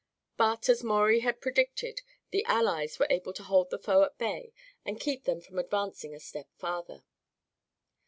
But, as Maurie had predicted, the Allies were able to hold the foe at bay and keep them from advancing a step farther.